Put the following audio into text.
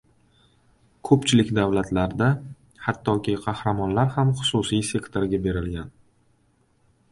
Ko‘pchilik davlatlarda, hattoki qamoqxonalar ham xususiy sektorga berilgan.